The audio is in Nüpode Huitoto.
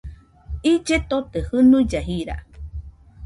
Ille tote, jɨnuille jira